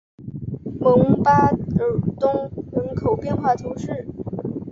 蒙巴尔东人口变化图示